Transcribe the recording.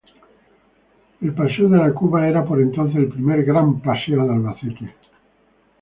El paseo de la Cuba era por entonces el primer gran paseo de Albacete.